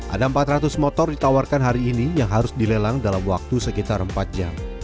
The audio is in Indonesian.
ada empat ratus motor ditawarkan hari ini yang harus dilelang dalam waktu sekitar empat jam